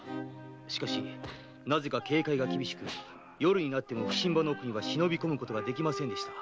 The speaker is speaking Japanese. しかしなぜか警戒が厳しく夜になっても普請場の奥には忍び込むことができませんでした。